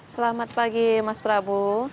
selamat pagi mas prabu